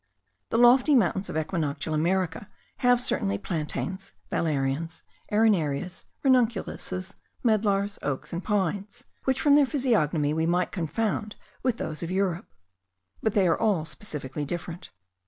The lofty mountains of equinoctial America have certainly plantains, valerians, arenarias, ranunculuses, medlars, oaks, and pines, which from their physiognomy we might confound with those of Europe; but they are all specifically different.